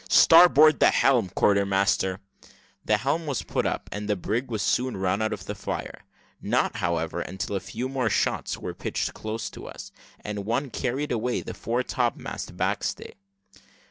Starboard the helm, quarter master." The helm was put up, and the brig was soon run out of the fire; not, however, until a few more shot were pitched close to us; and one carried away the fore topmast backstay.